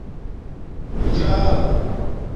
بیجال